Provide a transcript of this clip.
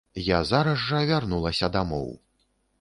Я зараз жа вярнулася дамоў.